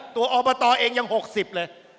ตัวออบตเองยัง๖๐เลย